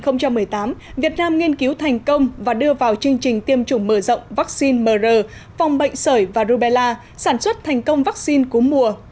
năm hai nghìn một mươi tám việt nam nghiên cứu thành công và đưa vào chương trình tiêm chủng mở rộng vaccine mr phòng bệnh sởi và rubella sản xuất thành công vaccine cúm mùa